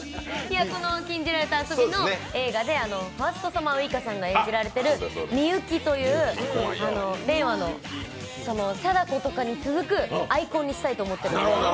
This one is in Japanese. この「禁じられた遊び」の映画でファーストサマーウイカさんが演じている美雪という令和の貞子とかに続くアイコンにしたいと思ってます。